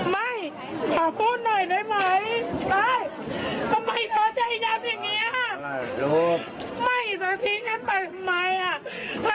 ไม่ขอบพูดหน่อยได้ไหมเอ้ยทำไมเธอจะให้ยัดอย่างเงี้ยไม่เธอทีกันไปทำไมอ่ะ